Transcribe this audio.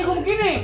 ini gua begini